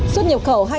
suất nhập khẩu